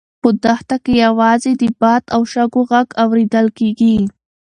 په دښته کې یوازې د باد او شګو غږ اورېدل کېږي.